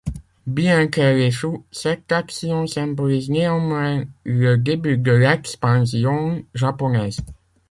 Bien qu'elle échoue, cette action symbolise néanmoins le début de l'expansion japonaise.